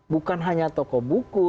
bukan hanya toko buku